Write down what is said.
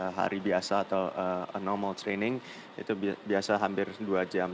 jadi kalau hari biasa atau normal training itu biasa hampir dua jam